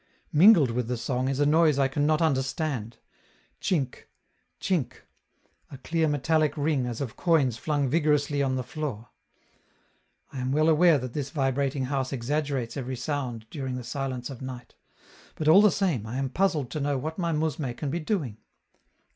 Mingled with the song is a noise I can not understand: Chink! chink! a clear metallic ring as of coins flung vigorously on the floor. I am well aware that this vibrating house exaggerates every sound during the silence of night; but all the same, I am puzzled to know what my mousme can be doing.